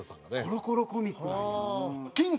『コロコロコミック』なんや。